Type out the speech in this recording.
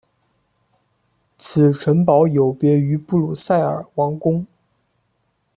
此城堡有别于布鲁塞尔王宫。